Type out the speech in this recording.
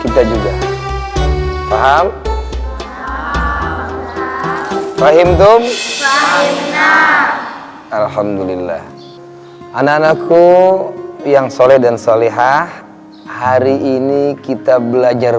kita juga paham rahim alhamdulillah anak anakku yang soleh dan soleha hari ini kita belajar